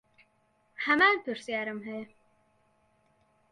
هەمان پرسیارم هەیە.